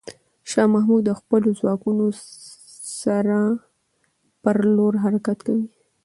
شاه محمود د خپلو ځواکونو سره پر لور حرکت کوي.